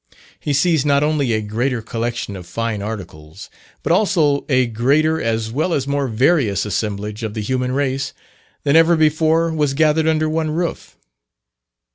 He sees not only a greater collection of fine articles, but also a greater as well as more various assemblage of the human race, than ever before was gathered under one roof.